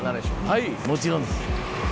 はいもちろんです。